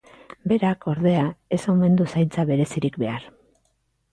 Berak, ordea, ez omen du zaintza berezirik behar.